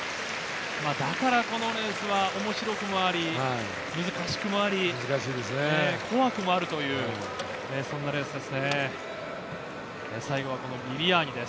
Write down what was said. だからこのレースは面白くもあり、難しくもあり、怖くもあるという、そんなレースです。